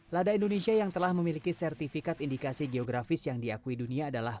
lada indonesia yang telah memiliki sertifikat indikasi geografis yang diakui dunia adalah